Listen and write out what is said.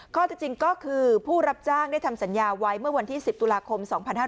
ข้อที่จริงก็คือผู้รับจ้างได้ทำสัญญาไว้เมื่อวันที่๑๐ตุลาคม๒๕๕๙